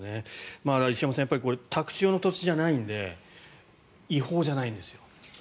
石山さん宅地用の土地じゃないので違法じゃないんですよ。